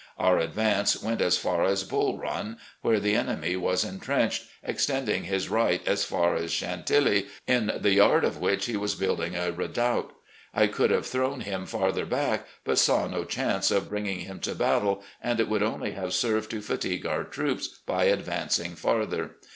Otu advance went as far as Bull Run, where the enemy was entrenched, extending his right THE ARMY OF NORTHERN VIRGINIA iii as far as ' Chantilly, ' in the yard of which he was building a redoubt. I could have thrown him farther back, but saw no chance of bringing him to battle, and it would only have served to fatigue our troops by advancing farther.